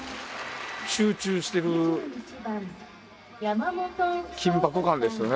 集中している緊迫感ですよね